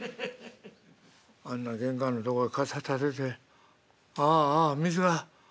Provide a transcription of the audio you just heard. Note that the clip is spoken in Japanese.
あんな玄関のとこへ傘立ててああああ水が。